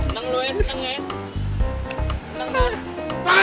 neng lu eh neng ya